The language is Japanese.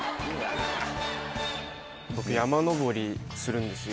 僕山登りするんですよ